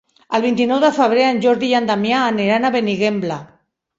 El vint-i-nou de febrer en Jordi i en Damià aniran a Benigembla.